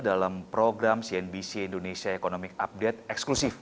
dalam program cnbc indonesia economic update eksklusif